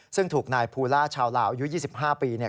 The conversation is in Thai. ซึ่งถูกนายภูลาฆ่าปาดคออายุ๒๕ปี